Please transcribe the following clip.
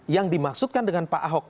yang dimaksudkan dengan pak ahok